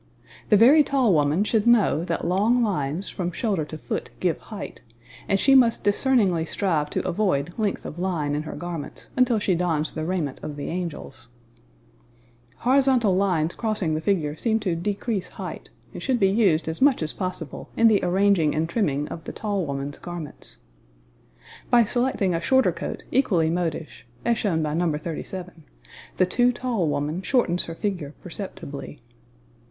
The very tall woman should know that long lines from shoulder to foot give height, and she must discerningly strive to avoid length of line in her garments until she dons the raiment of the angels. [Illustration: NOS. 36 AND 37] Horizontal lines crossing the figure seem to decrease height, and should be used as much as possible in the arranging and trimming of the tall woman's garments. By selecting a shorter coat equally modish, as shown by No. 37, the too tall woman shortens her figure perceptibly.